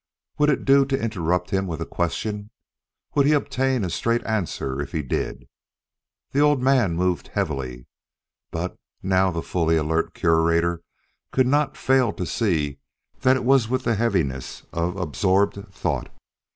Would it do to interrupt him with questions? Would he obtain a straight answer if he did? The old man moved heavily but the now fully alert Curator could not fail to see that it was with the heaviness of absorbed thought.